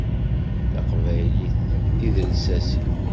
D taqbaylit i d lsas-im.